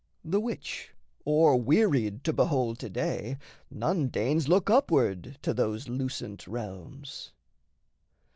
The which o'erwearied to behold, to day None deigns look upward to those lucent realms.